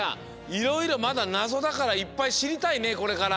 いろいろまだなぞだからいっぱいしりたいねこれから。